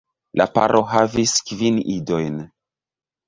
La paro havis kvin idojn.